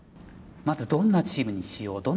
まずどんなチームにしよう